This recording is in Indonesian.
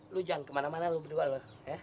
lu jangan kemana mana lu berdua ya